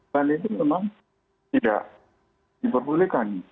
dan itu memang tidak diperbolehkan